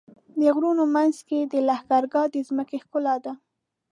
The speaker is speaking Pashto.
د غرونو منځ کې لښکرګاه د ځمکې ښکلا ده.